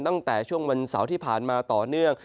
ตั้งแต่ช่วงวันเสาร์ที่ผ่านมาต่อเนื่อง